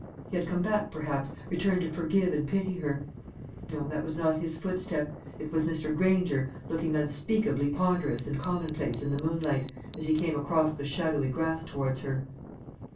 He had come back, perhaps, returned to forgive and pity her. No, that was not his footstep; it was Mr. Granger, looking unspeakably ponderous and commonplace in the moonlight, as he came across the shadowy grass towards her.